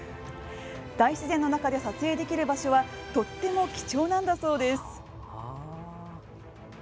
大自然の中で撮影できる場所はとても貴重なんだそうです。